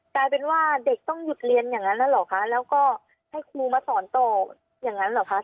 กลายเป็นว่าเด็กต้องหยุดเรียนอย่างนั้นแล้วเหรอคะแล้วก็ให้ครูมาสอนต่ออย่างนั้นเหรอคะ